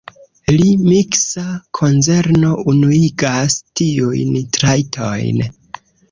La miksa konzerno unuigas tiujn trajtojn.